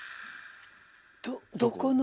どどこの？